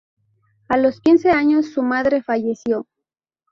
A los quince años su madre falleció.